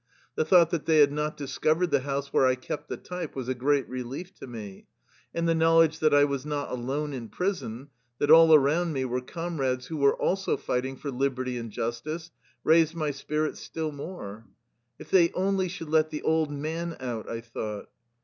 The thought that they had not discovered the house where I kept the type was a great relief to me. And the knowledge that I was not alone in prison, that all around me were comrades who were also fighting for liberty and justice, raised my spirits still more. " If they only should let the old man out," I thought.